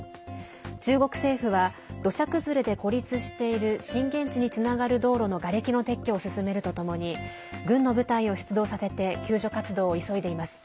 中国政府は土砂崩れで孤立している震源地につながる道路のがれきの撤去を進めるとともに軍の部隊を出動させて救助活動を急いでいます。